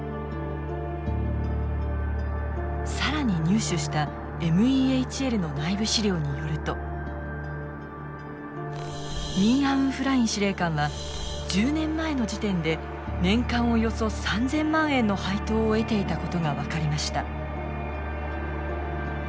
更に入手したＭＥＨＬの内部資料によるとミン・アウン・フライン司令官は１０年前の時点で年間およそ３，０００万円の配当を得ていたことが分かりました。